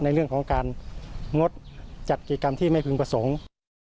ในเรื่องของการงดจัดกิจกรรมที่ไม่พึงประสงค์